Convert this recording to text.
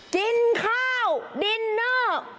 กินข้าวดินเนอร์